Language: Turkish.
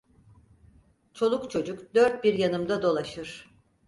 Çoluk çocuk dört bir yanımda dolaşır.